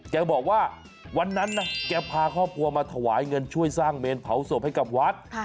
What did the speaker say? แกบอกว่าวันนั้นนะแกพาครอบครัวมาถวายเงินช่วยสร้างเมนเผาศพให้กับวัด